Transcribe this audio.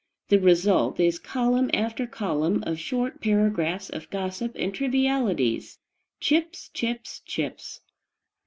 The result is column after column of short paragraphs of gossip and trivialities, chips, chips, chips.